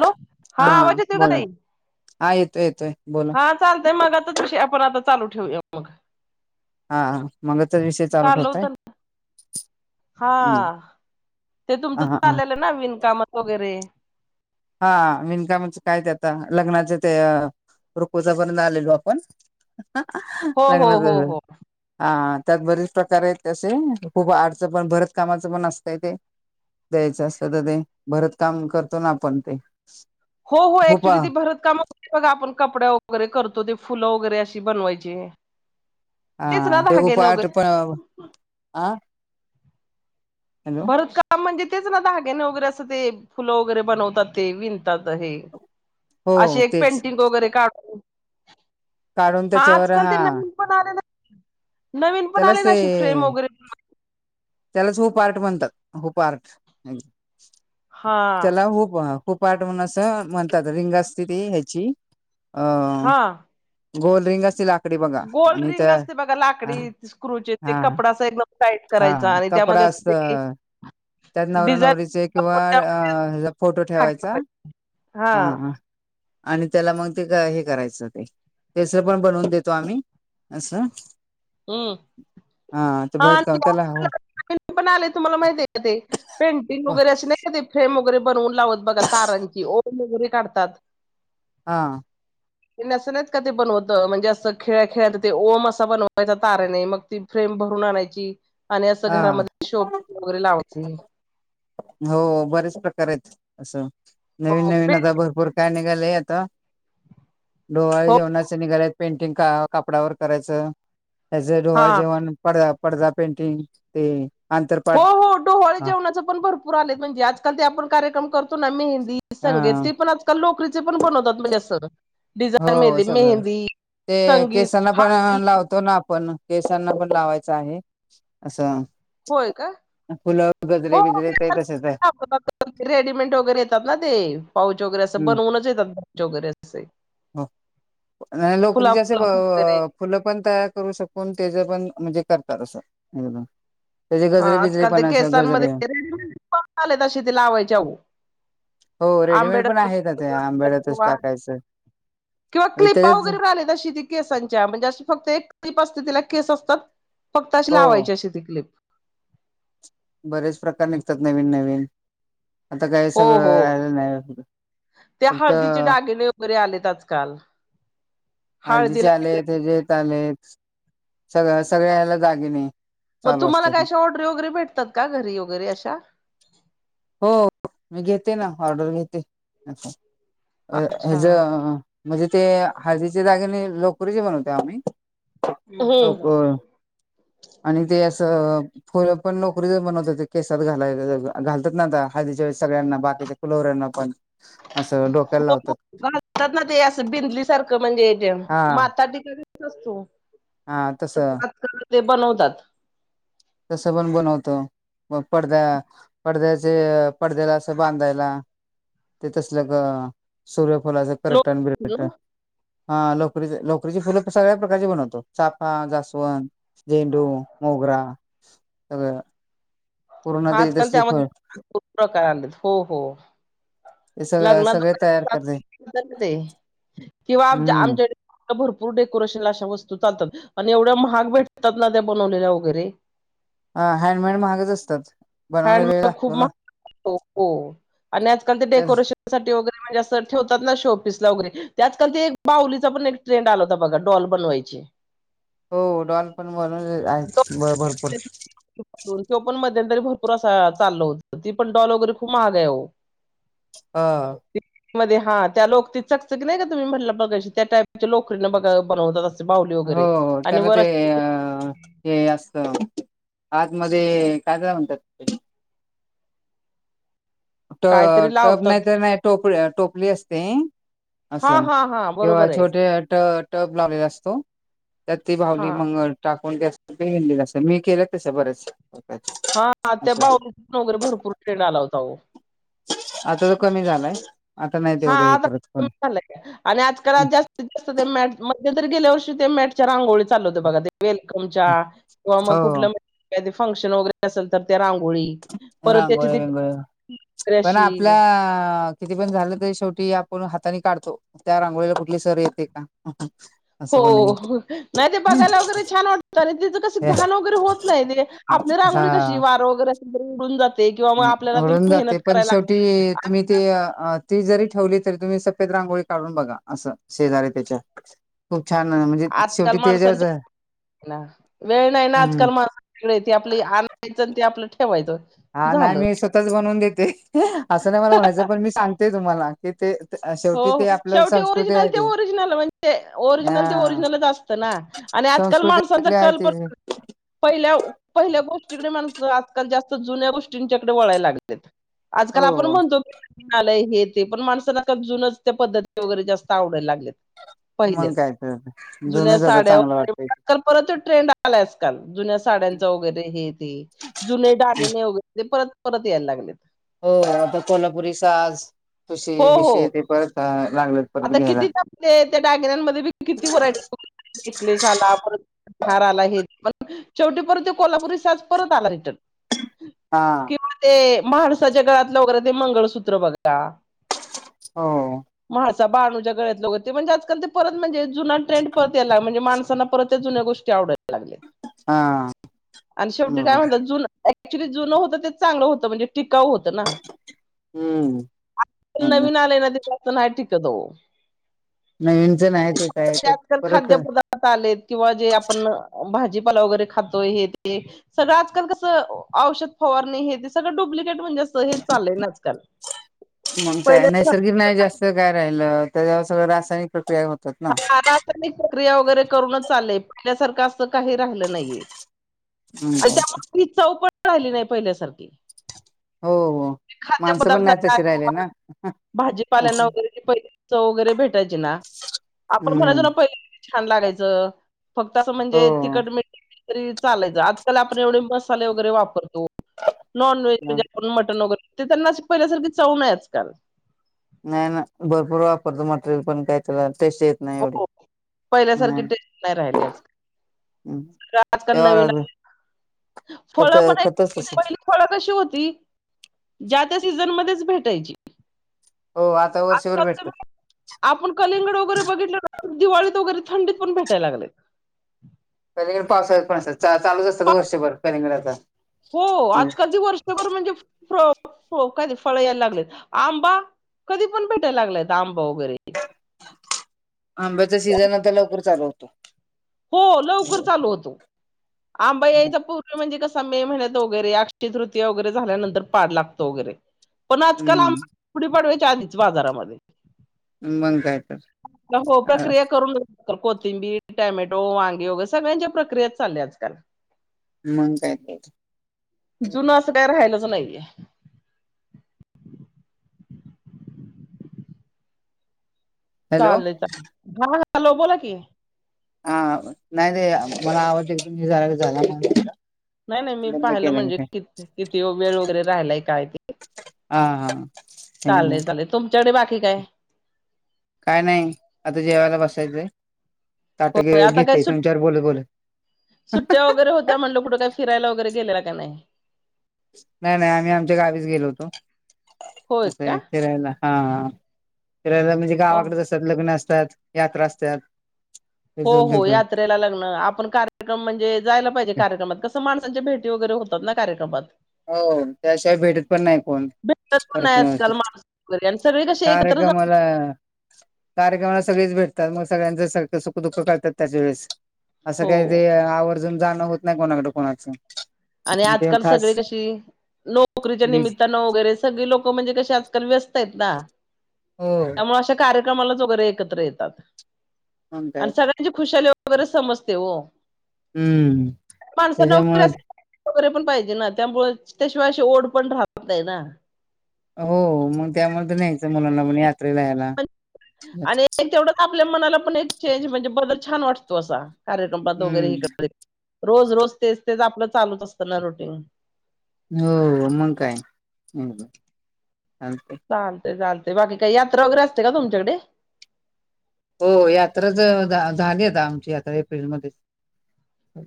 Hello. हा आवाज येतो का ताई? हा येतोय-येतोय. हा चालतय मग आताच विषय. आपण आता चालू ठेवूया फोन. हा मगाचाच विषय चालू होत ठेवताय. हा ते हा तुमचं हा हा चालेलं ना विन कामाच वगैरे. हा विनकामाच काय ते आता लग्नाचे ते. रूकोवत पर्यंत. आलेलो आपण हो हो लग्नाच हो हो हा. त्यात बरेच प्रकार आहेत असे. खूप अडच पण भरत कामाचं पण असतंय ते. द्यायचं असत तर ते. भरत काम करतो ना आपण. ते हो हुपा ऍक्च्युली ती भरत काम होते बघा. आपण कपड्या वगैरे करतो ते. फुलं वगैरे अशी बनवायची. हा तेच ना तेव धाग्याने पाठ वगैरे पण अ भरत काम म्हणजे तेच, ना दगिणे वगैरे असं ते फुलं वगैरे बनवतात, ते विन हो अशी एक तेच पेंटिंग वगैरे काढ काढून ह त्याच्यावर आजकाल ते हा नवीन पण आले ना. नवीन पण त्यालाच आले ना ते अशी फ्रेम वगैरे. पार्ट म्हणतात, हु पार्ट हा त्याला होप अ हु पार्ट म्हणून असं म्हणतात, रिंग असते ते ह्याची अ गोल रिंग अशी गोल्ड रिंग असते, बघा लाकडी स्क्रुचे हा कपडा एक हा कपडा अस त्यात नवरा डिझाईन नवरीचे किंवा अ फोटो ठेवायचा. हा हा. आणि त्याला मग ते हे करायचं, ते तस पण बनवून देतो, आम्ही. असं हम्म हा ते भरत काम पण आले तुम्हाला माहिती आहे का ते पेंटिंग वगैरे असे, नाही का ते फ्रेम वगैरे बनवून त बघा तारांची ओम वैगेरे काढतात. हा. ते नस नाहीत का ते बनवत म्हणजे असं खेळ खेळत ते ओम असा बनवायचा तारेने मग ती फ्रेम भरून आणायची. आणि असं हा घरामध्ये शोला वगैरे लावायचं. हो बरेच प्रकार आहेत, असं नवीन हो पे नवीन आता भरपूर काय निघाले आहेत. डोहाळी हो जेवणाच निघालायच पेंटिंग कापडावर करायचं. हयाज अ हा डोहाळे जेवण, पड पडदा पेंटिंग ते हो आंतरपाठ हो, डोहाळे हा जेवणाच पण भरपूर आलेत म्हणजे आजकाल ते आपण कार्यक्रम करतो ना, मेहंद दी, संगीत हा. ते पण आजकाल लोकरीचे पण बनवतात म्हणजे असं. हो डिझाईन मेहंदी सगळं, मेहंदी ते संगीत केसांना हळदी पण लावतो ना आपण केसांना पण लावायच आहे आसं. होय का! तर गजरे बीजरे ते तसेच आहे ह.. [unintelligible] रेडीमेट वगैरे येतात ना ते, पाऊच वगैरे असं बनवूनच येतात पाऊच वगैरे असे. हा. लोकरी फुला चे असे फुला वगैरे फुलं पण, तयार करू शकून त्याच पण म्हणजे करतात आस. हा आजकाल ते केसांमध्ये [unintelligible] आलेत अशी ते लावायचे आओ. हो रेडीमेड पण आहेत, त्या आंब्याड्यातच किंवा टाकायचं. किंवा म्हणजे क्लिपा त्याच्यात वगैरे रा आलेत अशी ती केसांच्या म्हणजे अशी फक्त एक क्लिप असते, तिला केस असतात फक्त अशी हो लावायची, अशी ती क्लिप. बरेच प्रकार निघतात, नवीन नवीन. आता काय सगळं राहिलं नाही? त्या फक्त हळदीचे दागिणे वगैरे आलेत आजकाल. हाळदीचे हळदीला आलेत, हे जे एक आलेत सगळ सगळ्या याला दागिने. मग चालू तुम्हाला असतात काय? अशा ऑर्डरी वगैरे भेटतात का? घरी वगैरे अशा. हो मी घेते ना. ऑर्डर घेते. अ अच्छा हेज अ. म्हणजे ते हळदीचे दागिने लोकरीचे बनवतोय आम्ही. हो लोकर आणि ते असं! पण लोकरी च बनवतोय ते केसात घालाय घाल त्यात ना हळदीच्या वेळी सगळ्यांना, बाकीच्या कुलवरऱ्यांना पण असं डोक्याला हो हो. लावतात घलतात ना ते असं बिंदली सारखं म्हणजे हा माता ठिका असतो हा तसं तस ते बनवतात. तसं पन बनवतो. मग पडदा, पडद्याचे, पडद्याला असं बांधायला. ते तसलं ग सूर्यफलाचं करटण बिरटण लोक हा लोकरीच लोकरीची फुलं सगळ्या प्रकारची बनवतो चाफा जास्वंद झेंडू, मोगरा सगळं पूर्ण ते आजकाल तसली फळ त्यामध्ये खुप प्रकार आल्यात हो हो. ते सगळ सगळे तयार करते लग्नाद्वारे किंवा आमच्या हम्म आमच्याकडे भरपूर डेकोरेशन अशा वस्तू चालतात आणि एवढ्या महाग भेटतात ना त्या बनवलेल्या वगैरे! ह हँडमेड महागच असतात. बनवायला वेळ हँडमेड खूप लागतो ना महाग हो आणि आजकाल ते तर डेकोरेशनसाठी वगैरे म्हणजे जे अस ठेवतात ना शोपीस ला वगैरे ते आजकाल ते एक बाहुलीचा पण एक ट्रेड आला होता बघा डॉल बनवायची. [inaudible] हो डॉल पण बनवलेल्या आहेत भरपूर. तो पण मध्यंतरी भरपूर आसं चाल होत ती पण डॉल वगैरे खूप महाग आहे ओ. हा. मध्ये हा त्या लोकरी चकं चकी नाही का तुम्ही म्हटला मगाशी त्या टाईपच्या लोकरीनं ब बनवतात अस हो ओ त्याला ते अ हे असत आतमध्येध्ये काय झा म्हणतात. ट कायतरी टप लावतात नाही तर नाही टोप टोपली असते. हा असं हा हा किंवा बरोबर आहे छोटे ट टब लावलेला असतो. त्यात ती हा भावली मंगळ टाकून मी केलं तस बरच. हा त्या पाऊ वगैरे भरपूर ट्रेन आला होता हो. आता तर कमी झालाय. आता नाही हा तेवढं हे करत पण आता झा आणि आजकाल जास्तीत जास्त ते मॅ मध्ये तरी गेलेवर च्या रांो चाल ब वेकम हो कि कु फंक्शन वगैरे असेल तर त्या रांगोळी परत त्याची रांगोळ ती विंगोळ वगैरे पण अशी आपल्या किती पण झालं तरी शेवटी आपण हातानी काढतो त्या रांगोळीला कुठली सर येते का? असं पण नाही हो नाही ते बघायला वगैरे छान वाटतं आणि तिचं कस घाण वगैरे होत नाही ते रांगो कशी हा वार वगैरे अस. उडून जाते पण करायला शेवटी आ- तुम्ही ते ती जरी ठेवली तरी तुम्ही सफेद रांगोळी काढून बघा अस शेजार त्याच्या छान म्हणजे आजकाल शेवटी ते माणसांची जच. ना वेळ नाही ना आजकाल माण वेगळे त आपली आणयचं ते आपलं. ठेवायचं हा नाही झालं मी स्वतःच बनवून देते असं नाही मला म्हणायचं पण मी सांगते तुम्हाला कि ते ते हो शेवटी हो ते आपलं शेवटी संस्कृती ओरिजिनल आहे ते ओरिजिनल म्हणजे ओरिजिनल ते हां, ओरिजिनलच असतं ना. आणि आजकाल संस्कृती माणसांचा आपली आहे ती. कल्पना पहिल्या पहिल्या गोष्टी ण आजकाल जास्त जुन्या गोष्टींच्याकडे वळायला लागत. आजकाल आपण हो, म्हणतो की आलाय हे ते पण माणसाला जुूनच त्या पद्धती वगैरे जास्त आवायला लागले. मग पहिलेच काय तर. जुनं जुन्या जरा साड्या चांगलं वाटतंय. वैर परत. ट्रेंड आलाय आजकाल जुन्या साड्यांचा वगैरे हे ते जुने डागिने वगैरे परत. परत यायला लागले. हो आता कोल्हापुरी साज तुशी हो हो बशी ते करतात. आता किती टपले त्या डायगनमध्येध्ये किती व्हरायटीिकलेसला परत. घार आला हे शेवटी परंत ते कोल्हापुरी आज परत आला रिटर्न. हा. माणसाच्या गळातलं वगरे ते मंगळसूत्र बघा. ह. ूळत ल म्हणे आजल ते परत म्हणजे जुना ट्रेंड परत याला म्हणे माणसांना परतच जुन्या गोष्टी हां, शेवी बरोबर. काय म्हणत ज ऍक्च्युली जुनं होतं तेच चांगलं होतं म्हणजे टिकाऊ होतं ना. आ हम्म नवीन आलंय ना प्रत आहे टिकत हो. नवीनच नाही ते काय ते ज परत खाद्य पदार्थ आलेत किंवा जे आपण भाजी वरे खो सगं आजल कस औषध फवार सगळं डुप्लेट म्हणे. हे चाललंय आजकाल मग काय पहिले नैसर्गिक न्याय जास्त काय राहिलं त्याच्यावर सगळं रासायनिक प्र मलाता प्रक्रिया वगैरे करूनच चालय पहिल्यासारखं असं काही राहिलं नाहीये. आणि त्यामुळेी चौपट राहिली नाही पहिल्यासारखी हो हो. खाद्य माणसं पण नाही तशी राहिले पदार्थांना ना. भाजीपाल्यांना वगैरे पहिली चव वगैरे भेटायची ना. आपण म्हणायचो हम्म ना पहिल्या छान लागायचं फक्त असं हो म्हणजे तिकट मिळ तरी चालायचं आजकाल आपण एवढे मसाले वगैरे वापरतो. नॉनव्हेज म्हणजे आपण मटन वगैरे त्यांना पहिल्यासारखी चऊन आहे आजकाल नाही ना भरपूर वापरतो मटेरियल पण काय? तस येत नाही एवढी हो पहिल्यासारखी हम. टेस्ट नाही राहिली आजकाल म् तेवार फळ पण आहेत की. पहिली फळ कशी होती? [inaudible] ज्यात ज्या त्या सीझन मध्येच भेटायची. हो आता आ वर्षभर भेटतात [unintelligible] आपण कलींगड वगैरे बघितलं का? दिवाळीत वगैरे थंडीत पण भेटाय लागलय. एक, पासट-पासट [unintelligible] [inaudible] हो आज कल ती वर्षभर म्हणजे फ्रो हो काय ती फळ यायला लागलेत. आंबा कधी पण भेटायला लागल्यात आंब वगैरे. आंब्याचा सीझन आता लवकर चालू होतो. हो लवकर चालू होतो. आंबा यायचा पूर्वी म्हणजे कस मे महिन्यात वगैरे अक्षय तृतीया वगैरे झाल्यानंतर पाड लागतो वगैरे. पण आजकाल आम हम्म गुढी पाडवायच्या आधीच बाजारामध्ये मग काय तर [inaudible] हो अ प्रक्रिया करून द तर कोथिंबीर, टॅमॅटो, वांगी वगैरे सगळ्यांच्या प्रक्रिया चालल्या आजकाल. मग काय तर जुनं असं काय राहियलच नाहीये. [inaudible] हॅलो चाललय चा हा हॅलो बोला कि. हा नाही रे मला आवडते. तुम्ही झारा झाला नाही. नाही नाही मी पाहिलं म्हणजे किती किती वेळ वगैरे राहिलाय काय ते. हा हा. एकदम चालेल, चालेल. तुमच्याकडे बाकी काय? काय नाही आता जेवायला बसायचंय. ताट हो घे आता काय घेते सुट तुमच्यावर बोलत बोलत सुट्ट्या वगैरे होत्या, म्हणलं कुठं काय फिरायला वगैरे गेलेला? कनइ नाही नाही आम्ही आमच्या गावीच गेलो होतो, होय असं का फिरायला. हा हा फिरायला म्हणजे गावाकडे हो असतात लग्न असतात, यात्रा असतात. हो त्याच हो उद्योग यात्रेला लग्न आपण कार्यक्रम म्हणजे जायला पाहिजे कार्यक्रमात कसं माणसांच्या भेटी वगैरे होतात, ना कार्यक्रमात. हो त्याशिवाय भेटत पण नाही कोण भेटत पण नाही वर्षानुवर्ष. आजकाल माणस वगैरे आणि सगळे कसे एकत्र जात कार्यक्रमाला कार्यक्रमाला सगळीच भेटतात. ग सगळ्यांच सारखं सुख दुःख काढतात त्याच्या वेळेस असं हो काही आवर्जून जाणं होत नाही कोणाकडे कोणाचं. आणि ते आजकाल खास सगळे कसे? नोकरीच्या बीज निमित्तान वगैरे सगळे लोक म्हणजे कस आजकाल व्यस्त आहेत ना हो त्यामुळे अशा कार्यक्रमालाच वगैरे एकत्र येतात. मग काय आणि सगळ्यांची खुशाली वगैरे समजते ओ. हम्म वगैरे त्याच्यामुळेच असं वगैरे पण पाहिजे, ना त्यामुळे त्याशिवाय अशी ओढ पण राहत नाही ना. हो, मग त्यामुळे तर न्यायचं मुलांना पण यात. आणि तेवढंच आपल्या मनाला पण एक चेंज म्हणजे बदल छान वाटतो असा. कार्यक्रमात वगैरे हम्म इकडे रोज रोज तेच तेच आपलं चालूच असतं ना र रुटीन. हो मग काय? ह ह चालतयं. चालतयं चालतयं बाकी काही यात्रा वगैरे असते, का तुमच्या कडे? हो, यात्राच झाली आता आमची यात्रा एप्रिल मध्येचं.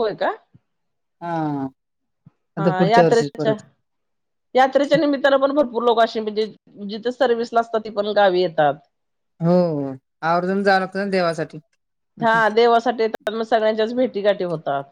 होय का? हा. आता हा पुढच्या वर्षीच यात्रेच्या, परत यात्रेच्या निमित्तानं पण भरपूर लोक असे म्हणजे जिथ सर्वीस ला असतात ती, पण गावी येतात. हो आवर्जून जान होत ना देवासाठी हा देवासाठी येतात, मग सगळ्यांच्याच भेटी गाठी होतात.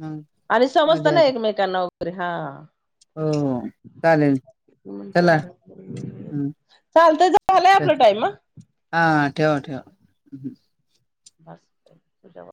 मग आणि मध्ये समजतना एकमेकां नकरी हा. हो हो. चालेल. चला चालत झालंय आपला टाइम. हा ठेवा ठेवा. बस तझावा.